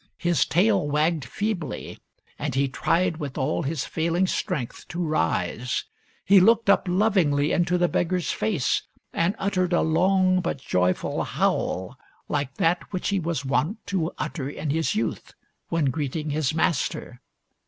His tail wagged feebly, and he tried with all his failing strength to rise. He looked up lovingly into the beggar's face, and uttered a long but joyful howl like that which he was wont to utter in his youth when greeting his master.